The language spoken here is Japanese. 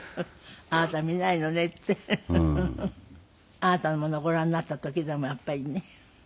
あなたのものご覧になった時でもやっぱりね。